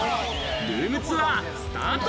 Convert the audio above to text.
ルームツアースタート！